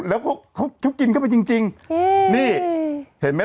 และตรงนี้ดิเห็นมั้ย